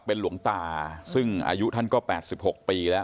เป็นหลวงตาซึ่งอายุท่านก็๘๖ปีแล้ว